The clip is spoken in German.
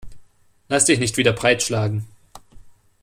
Lass dich nicht wieder breitschlagen.